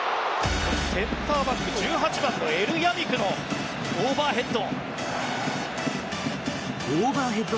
センターバック１８番のエルヤミクのオーバーヘッド。